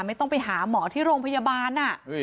ไม่ต้องไปหาหมอที่โรงพยาบาล